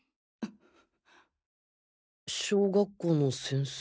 小学校の先生